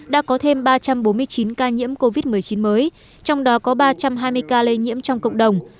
đã có thêm ba trăm bốn mươi chín ca nhiễm covid một mươi chín mới trong đó có ba trăm hai mươi ca lây nhiễm trong cộng đồng